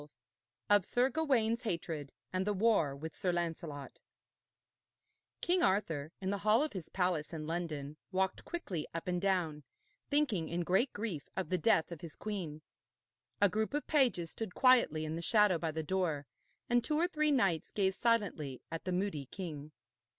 XII OF SIR GAWAINE'S HATRED, AND THE WAR WITH SIR LANCELOT King Arthur, in the hall of his palace in London, walked quickly up and down, thinking in great grief of the death of his queen. A group of pages stood quietly in the shadow by the door, and two or three knights gazed silently at the moody king.